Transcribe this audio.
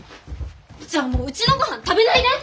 じゃあもううちのごはん食べないで！